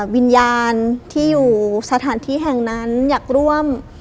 วิญญาณที่อยู่สถานที่แห่งนั้นอยากร่วม